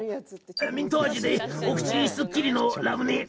ミント味でお口すっきりのラムネ！